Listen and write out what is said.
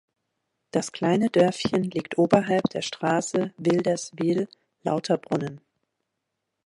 Das kleine Dörfchen liegt oberhalb der Strasse Wilderswil-Lauterbrunnen.